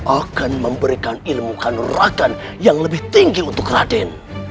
akan memberikan ilmu kanurakan yang lebih tinggi untuk raden